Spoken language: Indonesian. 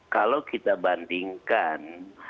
kalau kita bandingkan